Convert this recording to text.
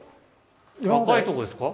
赤いとこですか？